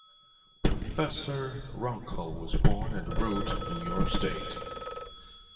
Professor Runkle was born at Root, New York State.